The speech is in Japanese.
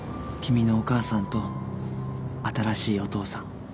君のお母さんと新しいお父さん。